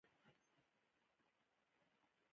افغانستان د پکتیکا لپاره مشهور دی.